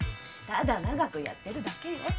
ただ長くやってるだけよ。